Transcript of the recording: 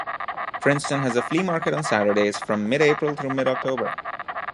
Princeton has a flea market on Saturdays from mid-April through mid-October.